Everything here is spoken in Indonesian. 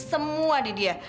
semua di dia